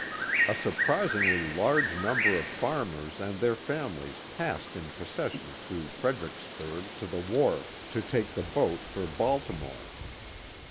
A surprisingly large number of farmers and their families passed in procession through Fred ericksburg to the wharf to take the boat for Bsiltimore.